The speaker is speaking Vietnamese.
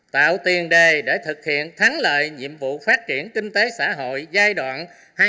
tạo tiền đề để thực hiện thắng lợi nhiệm vụ phát triển kinh tế xã hội giai đoạn hai nghìn hai mươi một hai nghìn hai mươi năm